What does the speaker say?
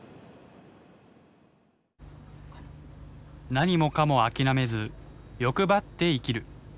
何もかもあきらめず欲張って生きる。